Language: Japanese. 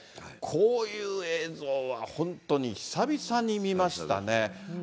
こういう映像は本当に久々に見ましたね。